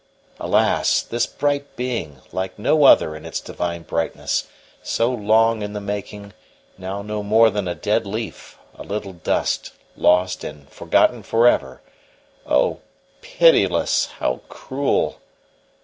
Alas! this bright being, like no other in its divine brightness, so long in the making, now no more than a dead leaf, a little dust, lost and forgotten for ever oh, pitiless! Oh, cruel!